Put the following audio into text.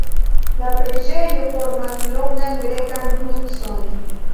La preĝejo formas longan grekan krucon.